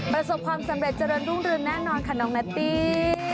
ประสบความสำเร็จเจริญรุ่งเรืองแน่นอนค่ะน้องแนตตี้